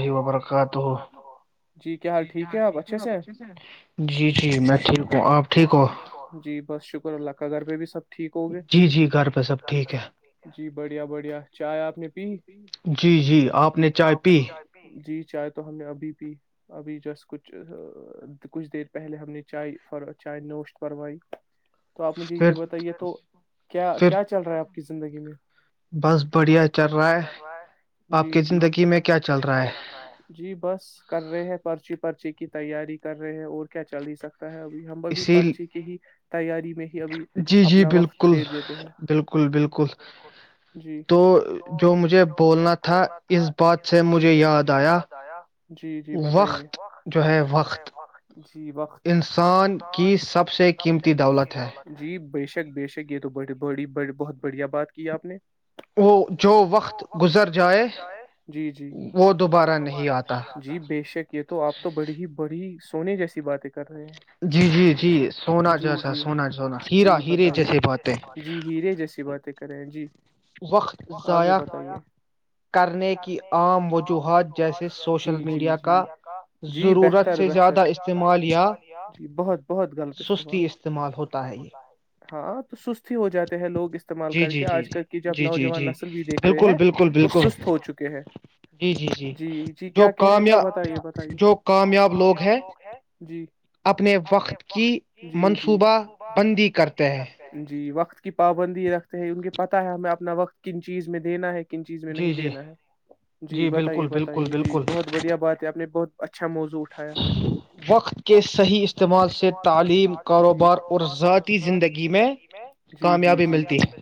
حمۃ ورکاتہ جی کیا حال ٹھیک ہے آپ اچھے سے ہ جی بس شکر اللہ کا گھر پہ بھی ٹھیک ہو گئے ج ج گ جی بڑھیا بڑھیا چائے آپ نے پی جی جی آپ نے چائے بھی جی چائے تو ہم نے ابھی پ ابھی جس کچھ کچھ دیر پہلے ہم نے چائے چائے نوشت فروائی تو آپ مجھے یہ بتائیے تو کیا کیا چل رہا ہے آ کی زندگی میں بس بڑھیا چل رہا ہے جی جی آپ کی زندگی میں کیا چل رہا ہے جی بس کر رہ ہیں پرچی پرچی کی تیاری کر رہے ہیں اور کیا چل ہی سکتے اسی جی جی بالکل بالکل بالکل تو جو مجھے بولنا تھا اس بات سے مجھے یاد آیا وقت جو ہے وقت انسان کی سب سے قیمتی دولت ہے بے شک یہ تو بڑی بڑی بڑی بہت بڑھیا بات کی آپ نے وہ جو وقت گزر گزر جائے جی جی وہ دوبارہ نہیں جی بے شک یہ تو آپ تو بڑی ہی بڑی سونے جیسی بات ہے جی جی جی سونا جیسا سونا سونا ہیرا ہرے جیسے باتیں ہیں کریں جی وقت ضاائع کرنے کی عام وجوہات جیسے سوشل میڈیا کا ضرورت سے زیادہ استعمال یا سستی استعمال ہوتا ہے یہ ہاں تو سست ہو جاتے ہیں لوگ استعمال کر کے آج کل کی جب نوجوان نسل بھی دیکھ رہے ہیں بالکل جی جی جی جو کامیا جو کامیاب لوگ ہیں جی اپنے وقت جی جی منصوبہ بندی کرتے جی وقت کی پابندی رکھ ان کے پتا ہے ہمیں اپنا وقت کن چیز میں دینا ہے کن چیز میں نہیں دینا ہے جی بتائیے بتائیے جی بہت بڑھیا بات ہے آپ نے بہت موزو اٹھایا وقت کے صحیح استعمال سے تعلیم کاروبار اور ذی زندگی میں جی جی جی مل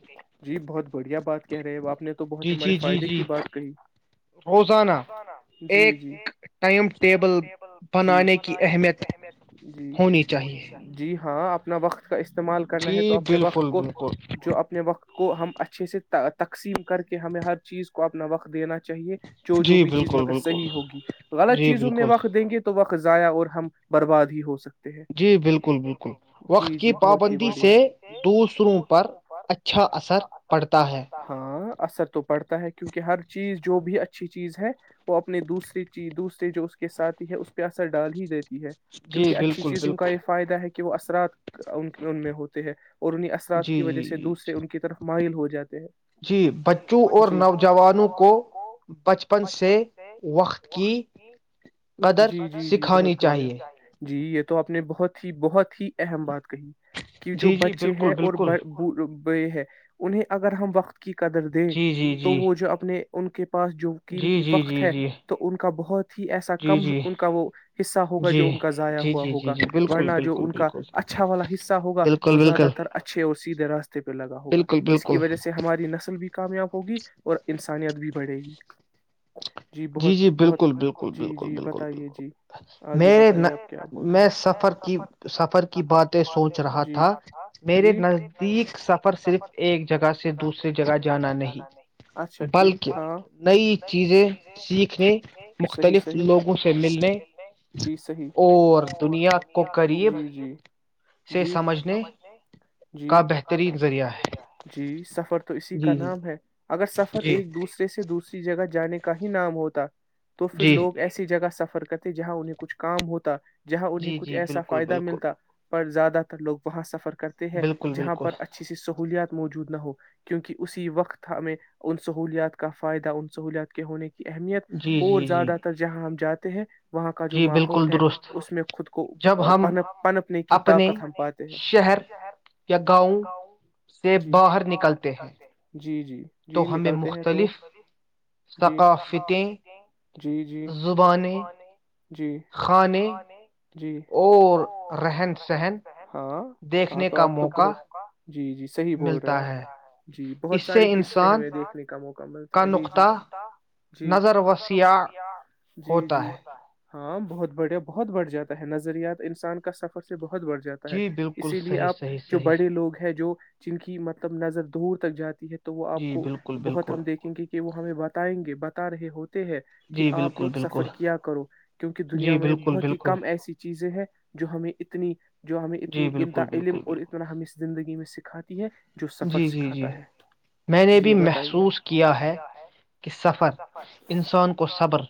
جی بہت بڑھیا بات کہہ رہے ہیں آپ نے تو بہت ہمارے فائدے کی بات کہی ہوانا جی جی ٹم ٹیبل جی بنانے کی اہمیت جی ہونی چاہے جی ہاں اپنا وقت کا استعمال کرنا ہے تو اپنے وقت کو جو اپنے وقت کو ہم اچھے سے تقسیم کر کے ہمیں ہر چیز کو اپنا وقت دینا چاہیے جو جو بھی چیز مگر صحیح ہوگی غلط چیزوں میں وقت دیں گے تو وقت ضائع اور ہم برباد ہی ہو سکتے جی بالکل بالکل وقت کی پابندی سے دوسروں پر اچھا اثر پڑتا ہے ہے کیونکہ ہر چیز جو بھی اچھی چیز ہے وہ اپنے دوسری چیز دوسرے جو اس کے ساتھی ہے اس پہ اثر ڈال ہی دیتے ہے کیونکہ اچھی چیزوں کا یہ فائدہ ہے کہ کہ وہ اثرات ان میں ہوتے ہیں اور انہیں اثرات کی وجہ سے دوسرے ان کی طرف مائل ہو جاتے ہیں اور نوجوانوں کو بچپن سے وقت کی قدر سکھانی چاہیے جی یہ تو آپ نے بہت ہی بہت ہی اہم بات کہ کہ جو بچے ہیں اور گئے ہیں انہیں اگر ہم وقت کی قدر د تو وہ جو اپنے ان کے پاس جو قیمتی وقت ہے تو ان کا بہت ہی ایسا کم ان کا وہ حصہ ہوگا جو ان کا ضائع ہوا ہوگا ورنہ جو ان کا اچھا والا حصہ ہوگا وہ زیادہ تر اچھے اور سیدھے راستے پہ لگا ہوگا جس کی وجہ سے ہماری نسل بھی کامیاب اور انسانیت بھی بڑھے گی جی جی بالکل بالکل بالکل بالکل بالکل میرے میں سفر کی سفر کی باتیں سوچ رہا تھا میرے نزدیک سفر صرف ایک جگہ سے دوسری جگہ جانا نہیں نہیں بلکہ نئی چیزیں سیکھنے مختلف لوگوں سے ملنے اور دنیا کو قریب سے سمجھنے کا بہترین ذریعہ ہے جی جی اگر سفر ایک دوسرے سے دوسری جگہ جانے کا ہی نام ہوتا تو پھر لوگ ایسی جگہ سفر فرکتے جہاں انہیں کچھ کام ہوتا جہاں انہیں کچھ ایسا فائدہ ملتا پر زیادہ تر لوگ وہاں سفر کر کرتے ہیں جہاں پر اچھی سی سہولیات موجود نہ ہو کیونکہ اسی وقت ہمیں ان سہولیات کا فائدہ ان سہولیات کے ہونے کی اہمیت اور زیادہ تر جہاں ہم جاتے ت ہیں وہاں کا جو ماحول ہے اس میں خود کون پنپنے کی طاقت ہم پاتے ہیں شر گاؤں جی باہر نکلتے ہیں تو ہمیں مختلف ثقافتیں زبانیں کھانے اور رہن سہن دیکھنے کا موقع جی جی صحیح بول رہے ہیں آپ جی بہت ساری قسمیں ہمیں دیکھنے کا موقع ملتا ہے جی جی جی جی جی ہاں بہت بڑھیا بہت بڑھ جاتا ہے نظریات انسان کا سفر سے بہت بڑھ جاتا ہے اسی لیے آپ جو بڑے لوگ ہیں جو جن کی مطلب نظر دور تک جاتی ہے تو وہ آپ کو بہت ہم دیکھیں گے وہ ہمیں بتائیں گے بتا رہے ہوتے ہیں کہ آپ لوگ سفر کیا کرو کیونکہ دنیا میں بہت ہی کم ایسی چیزیں ہیں جو ہمیں اتنی جو ہم اتنی انط علم اور اتنا ہم زندگی میں سھ کھاتی ہے جو سفر سکھاتا ہے میں نے بھی محسوس کیا ہے کہ سفر انسان کو صبر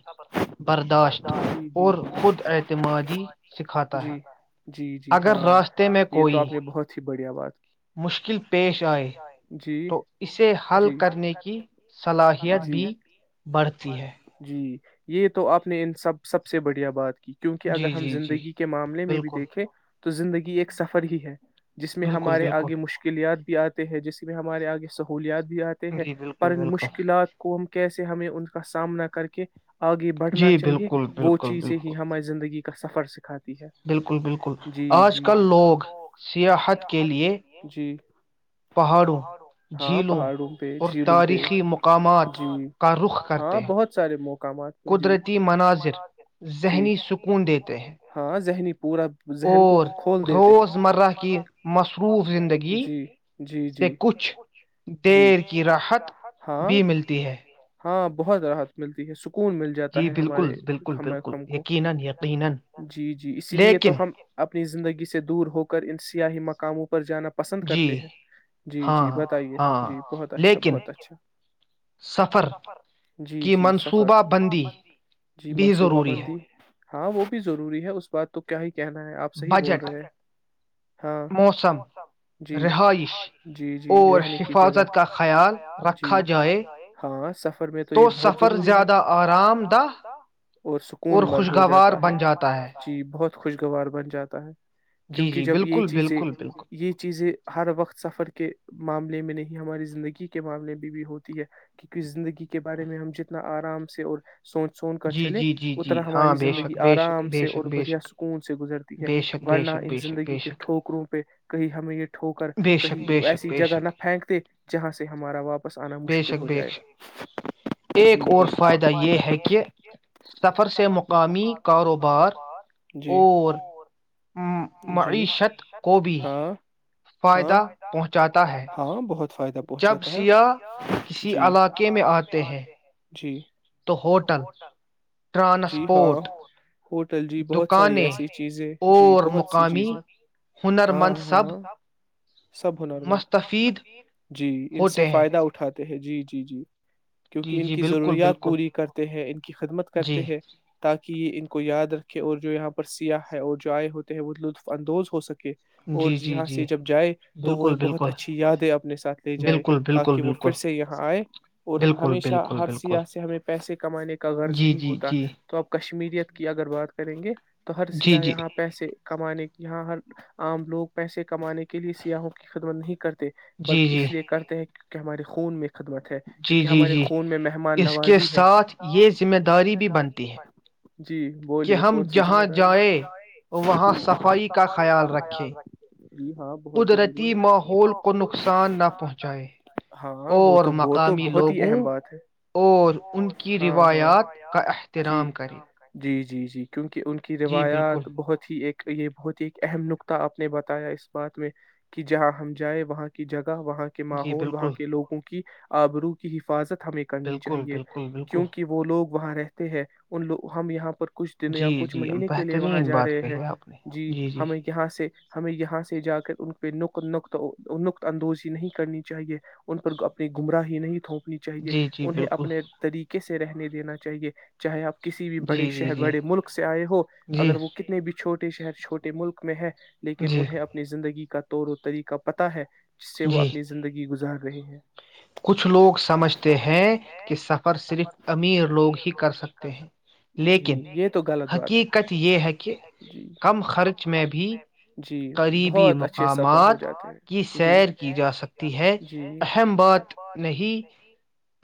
برداشت اور خود اعتمادی سکھاتا ہے اگر راستے میں کوئی بڑیا بات مشکل پیش آئے تو اسی سے حل کرنے کی صلاحیت بھی بڑھتی ہے ج یہ تو آپ نے ان سب سب سے بڑھیا بات کیونکہ اگر ہم زندگی کے معاملے میں بھی دیکھیں تو زندگی ایک سفر ہی ہے جس میں ہمارے آگے مشکلیات یہ آتے ہیں جس میں ہمارے آگے سب کی ہولیات آتے ہیں پر ان مشکلات کو ہم کیسے ہمیں ان کا سامنا کر کے اگے بڑھنا چاہیے وہ چیز ہی ہماری زندگی سفر سکھائیں بالکل بالکل آج کل لوگ سیاحت کے لیے پہاڑوں جھیلوں اور تاریخی مقامات کا رخ کرتے ہیں قدرتی مناظر ذہنی سکون دیتے ہیں ذہنی اور روزمرہ کی مصروف زندگی سے کچھ دیر کی راحت بھی ملتی ہے ہاں بہت راحت ملتی ہے سکو کون مل جاتا ہے ہمارے خم ہم کو جی جی اسی لیے تو ہم اب اپنی زندگی سے دور ہو کر ان سیاہی مقاموں کو جانا پسند کرتے ہیں جی جی جی بتائیے جی بہت اچھا بہت اچھا لیکن سفر جی جی سفر جی منصوبہ بندی ضروری ہے ہاں وہ بھی ضروری ہے اس بات تو کیا ہی کیا ہے آپ صحی بول رہے ہیں ہاں موسم جی رہائش اور حفاظت کا خیال رکھا جائے تو سفر زیادہ آرام دہ اور خوشگوار بن جاتا ہے خوشگوار بن جاتا ہے کیونکہ جب یہ چیزیں یہ چیزیں ہر وقت سفر کے معاملے میں نہیں ہماری زندگی کے معاملے میں بھی ہوتی ہے کیونکہ زندگی کے بارے میں ہم جتنا آرام سے اور سوچ سن کر چلے اتنا ہماری زندگی آرام سے اور بڑھیا سکون سے زندگی ہے ورنہ ان زندگی کے ٹھوکروں پہ کہیں ہمیں یہ ٹھوکر کہیں ویسی جگہ نہ پھینکتے جہاں سے ہمارا واپس آنا مشکل ہو جائے جی جی ایک اور فائدہ یہ ہے سفر سے مقامی کاروبار اور معیشت کو بھی فائدہ پہنچاتا ہے جب سیاہ کسی علاقے میں آتے ہیں جی تو ہوٹل جی ہاں ہوٹل جی بہت ساری ایسی چیزیں جی بہت سی چیزیں ہاں ہاں مستفیید جی ان سے فائدہ اٹھاتے ہیں جی جی دیجیے کیونکہ ان کی ضروریات پوری کرتے ہیں ان کی خدمت کرتے ہیں تاکہ کہ یہ ان کو یاد رکھے اور جو یہاں پر سیاح ہے اور جو آئے ہوتے ہیں وہ لطف اندوز ہو سکتے اور یہاں سے جب جائے بہت اچھی یادیں اپنے ساتھ لے جائے تاکہ وہ پھر سے یہاں آئے اور ہمیشہ ہر سیاح سے ہمیں پیسے کمانے کا غرض نہیں ہوتا تو اپ کشمیریت کی اگر بات کریں گے تو ہر سیاح یہاں پیسے کمانے یہاں ہر عام لوگ پیسے کمانے کے کے لیے سیاحوں خدمت نہیں کرتے بلکہ اس لیے کرتے ہیں کہ کہ ہمارے خون میں جی جی جی اس کے ساتھ یہ ذمہ داری بھی بنتی ہے جی بولیے کون سی ذمہ داری ج وہاں صفائی کا خیال رکھے جی ہاں بہت ہاں وہ تو وہ تو بہت ہی اہم بات ہے ہاں ہاں یار جی جی کیونکہ ان کی روایات بہت ہی ایک یہ بہت ہی اہم نکتہ آپ نے بتایا اس بات میں کہ جہاں ہم جائیں وہاں کی جگہ وہاں کے ماحول وہاں کے لوگوں کے کی آبرو کی حفظ حفاظت ہمیں کرنی چاہیے کیونکہ وہ لوگ وہاں رہتے ہیں ان لو ہم یہاں پر کچھ دن یا کچھ مہینے کے لیے وہاں جا رہے ہیں جی ہمیں یہاں سے ہمیں یہاں سے جا کر ان نق نقت نقط اندوزی نہیں کرنی چاہیے ان پر اپنی گمراہی نہیں تھ نی چاہیے انہیں اپنے طریقے سے رہنے دینا چاہیے چاہے آپ کو کسی بھی بڑے شہر بڑے ملک سے آئے ہو اگر وہ کتنے بھی چھوٹے ے شہر چھوے ملک میں ہے لیکن انہیں اپنی زندگی کا طور و طریق پتا ہے جس سے وہ اپنی زندگی گزار گی ہے کچھ لوگ سمجھتے ہیں کہ سفر صرف امیر لوگ ہی کر سکتے ہیں لیکن حقیقت یہ ہے کہ کم خرچ میں بھی قریبی مقامات کی سیر کی جا سکتی ہے اہم بات نئی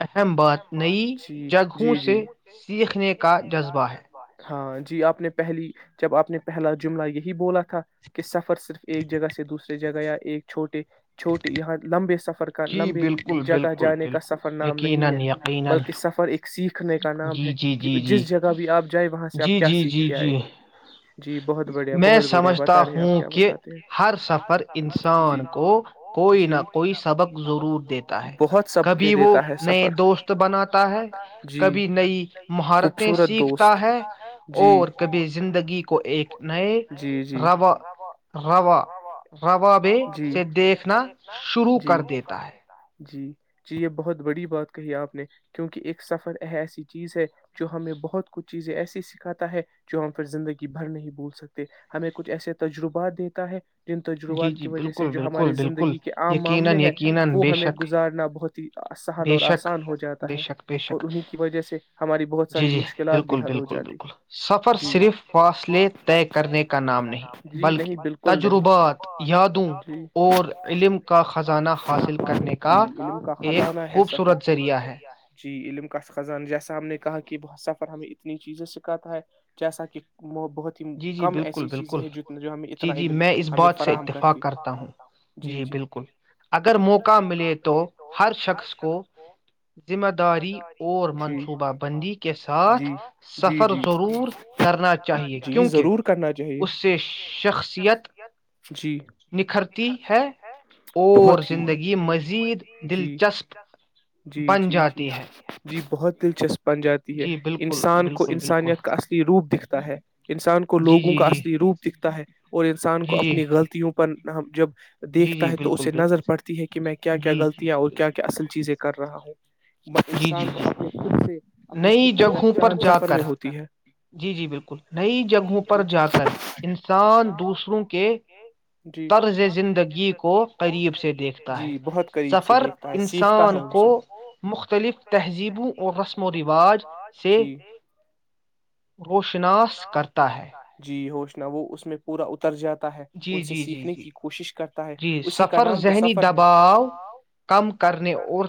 اہم بات نئی جگہوں سے سیکھنے کا جذبہ ہے ہاں جی آپ نے پہلی جب آپ نے پہلا جملہ یہی بولا تھا کہ سفر صرف ایک جگہ سے دوسریے جگہ یا ایک چھوٹے چھوٹے یہاں لمبے سفر سفر کا لمبے جگہ جانے کا سفر نام نہیں ہے بلکہ سفر ایک سیکھنے کا نام ہے کہ جس جگہ بھی آپ جائ وہاں سے آپ کیا سیکھ کے آئے جی بہت بڑھیا بہت بڑھیا بتا رہے آپ کیا بتاتے ہیں سفر انسان کو کوئی نہ کوئی س سبق ضرور دیتا ہے کبھی وہ نئے دوست بناتا ہے کبھی نئی مہارتیں سیکھتا ہے اور کبھی زندگی کو ایک نئے روا روا روابے سے دیکھنا شروع کر شرو کر دیتا ہے جی جی یہ بہت بڑی بات کہی آپ نے کیونکہ ایک سفر یہ ایسی چیز ہے جو ہمیں بہت کچھ چیزیں ایسی سکھاتا ہے جو ہم پھر زندگی بھر نہیں بھول سکتے ہمیں کچھ ایسے تجربات دیتا ہے جن تجربات کی وجہ سے جو ہمارے زندگی کے عام معاملے ہے وہ ہمیں گزارنا بہت ہی بے شک بے شک بے شک جی جی بالکل بالکل بالکل سفر صرف فاصلے طے کرنے کا نام نہیں بلکہ تجربہ یادوں اور علم کا خزانہ حاصل کرنے کا ایک ہے سفر سورت دریا ہے جی علم کا خزان جیسا ہم نے کہا کہ بہت سفر ہمیں اتنی چیزیں سکھاتا ہے جیسا کہ موب بہت ہی کم ایسی چیزیں ہیں جت جو ہمیں اتنا علم بات سے اتفاق کرتا ہوں جی بالکل اگر موقع ملے تو ہر شخص کو ذمہ داری اور منصوبہ بندی کے ساتھ سفر ضرور کرنا چاہیے کہ اس سے شخصیت نکھرتی ہے اور زندگی مزید دلچسپ جی جی جی جی بہت دلچسپی بن جاتی ہے انسان کو انسانیت کا اصلی روپ دکھتا ہے انسان کو لوگوں کا اصلی روپ دکھتا ہے اور انسان کو اپب اپنی غلطیوں پر ہم جب [unintelligible] دیکھتا ہے تو اسے نظر پڑتی ہے کہ میں کیا کیا غلطیاں اور کیا کیا اصل چیزیں کر رہا ہوں انسان اپنے خود سے اپنی خ جاند سفر میں ہوتی ہے جی جی بالکل نئی جگہوں پر جا کر انسان دوسروں کے طرز زندگی کو قریب سے دیکھتا ہے سفر انسان کو مختلف تہذیبوں اور رسم و رواج سے ہ [unintelligible] شناس کرتا ہے ہووشنا وہ اس میں پورا ا جاتا ہے ان سے سیکھنے کی کوشش کرتا [unintelligible] جی سفر ذہنی دباؤ کم کرنے اور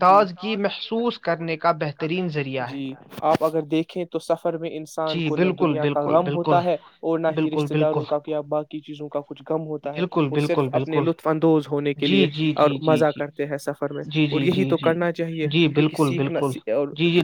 تازگی محسوس کرنے کا بہترین ذریعہ ہے آپ اگر دیکھیں تو سفر میں انسان کو نہ دنیا کا غم ہوتا ہے اور نہ ہی رشتے داروں کا باقی چیزوں کا کچھ غم ہوتا ہے وہ صرف اپنے لطف اندوز ہونے کے لیے اور مزہ کرتے ہیں سفر میں اور یہی تو کرنا چاہیے کیونکہ سیکھنا